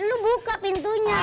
lu buka pintunya